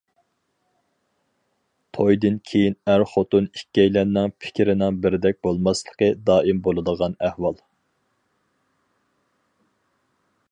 تويدىن كىيىن ئەر- خوتۇن ئىككىيلەننىڭ پىكرىنىڭ بىردەك بولماسلىقى دائىم بولىدىغان ئەھۋال.